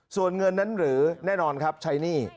ส่วนเงินนั้นหรือแน่นอนครับใช้หนี้